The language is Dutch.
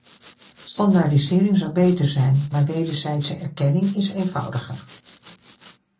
Standaardisering zou beter zijn, maar wederzijdse erkenning is eenvoudiger.